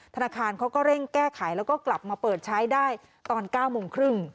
ธนาคารเขาก็เร่งแก้ไขแล้วก็กลับมาเปิดใช้ได้ตอน๙โมงครึ่ง